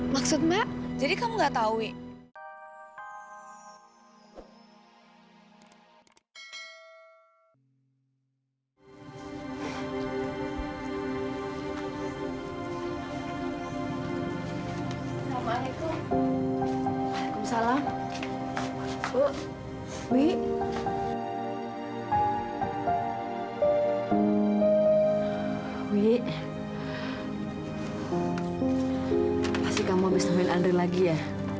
pasti kamu habis teman andri lagi ya